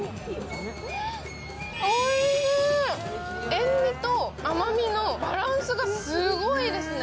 塩みと甘みのバランスがすごいですね。